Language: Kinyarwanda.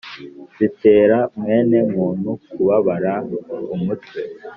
zitera mwene muntu kubabara umutwe